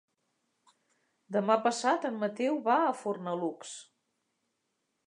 Demà passat en Mateu va a Fornalutx.